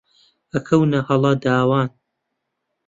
ئەکەونە هەلە داوان